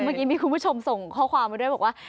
เมื่อกี้มีคุณผู้ชมส่งข้อความมาด้วยบอกว่า